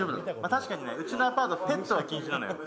確かにうちのアパート、ペットは禁止なのよ。